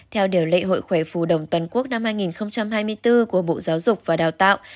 theo điều lệ hội khỏe phù đồng toàn quốc năm hai nghìn hai mươi bốn của bộ giáo dục và đào tạo